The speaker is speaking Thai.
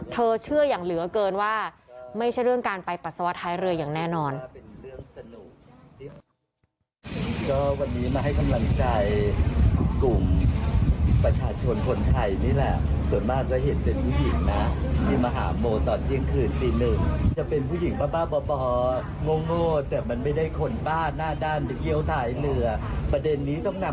เชื่ออย่างเหลือเกินว่าไม่ใช่เรื่องการไปปัสสาวะท้ายเรืออย่างแน่นอน